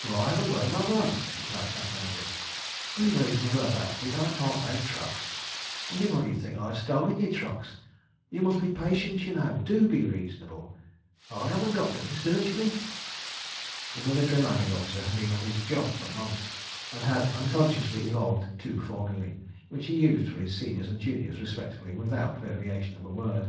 "Well, I haven't got 'em, have I?" replied Captain Angus. "Be reasonable about it. .. I can't make trucks. .. Anybody'd think I'd stolen your trucks. ... You must be patient, y'know, and do be reasonable. ... I haven't got 'em. Search me." The Military Landing Officer had been on his job for months and had unconsciously evolved two formulæ, which he used for his seniors and juniors respectively, without variation of a word.